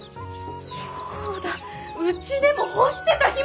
そうだうちでも干してた干物！